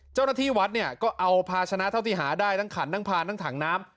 เจ้าหน้าที่วัดเนี่ยก็เอาภาชนะเท่าที่หาได้ทั้งขันทั้งพานทั้งถังน้ำ